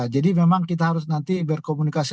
jadi memang kita harus nanti berkomunikasi